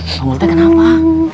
pak multe kenapa